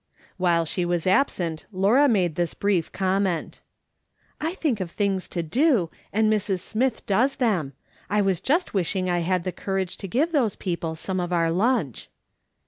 While she was absent Laura made this brief com ment :" I think of things to do, and Mrs. Smith does them. I was just wishing I had the courage to give those people some of our lunch.''